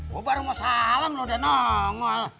gue baru mau salam lo udah nongol